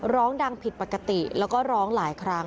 ร้องดังผิดปกติแล้วก็ร้องหลายครั้ง